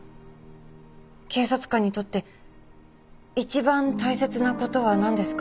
警察官にとって一番大切なことは何ですか？